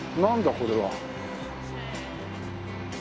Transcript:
これは。